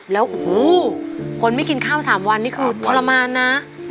แล้วโอ้โหคนไม่กินข้าว๓วันนี่คือทรมานนะ